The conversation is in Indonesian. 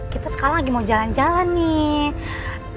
kita sekarang lagi mau jalan jalan nih